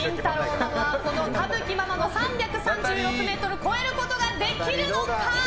ママはこの田吹ママの３３６ｍを超えることができるのか。